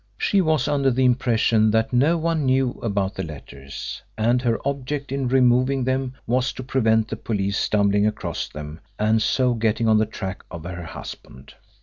She was under the impression that no one knew about the letters, and her object in removing them was to prevent the police stumbling across them and so getting on the track of her husband.